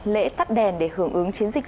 lễ tắt đèn để hưởng ứng chiến dịch